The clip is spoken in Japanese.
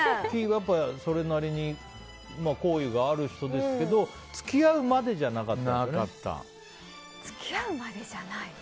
それなりに好意がある人ですけど付き合うまでじゃなかったんだろうね。